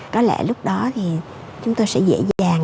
có lẽ lúc đó thì chúng tôi sẽ dễ dàng